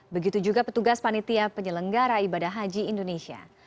begitu juga petugas panitia penyelenggara ibadah haji indonesia